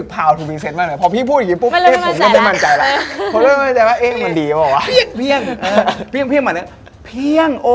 พร้อมเสียงกับเปรี้ยง